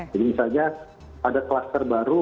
jadi misalnya ada kluster baru